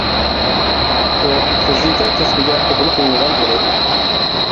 ئۇ فىزىكا كەسپىگە قوبۇل قىلىنغان ئىدى.